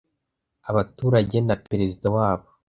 abaturage na peresida wabo